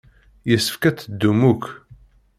Yessefk ad teddum akk.